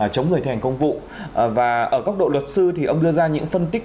chống người thi hành công vụ và ở góc độ luật sư thì ông đưa ra những phân tích